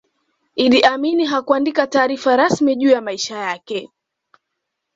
iddi amin hakuandika taarifa rasmi juu ya maisha yake